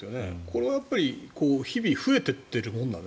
これは日々増えていっているもんなの？